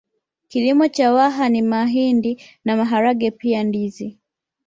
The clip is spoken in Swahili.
Kilimo cha Waha ni mahindi na maharage pia ndizi